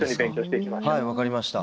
はい分かりました。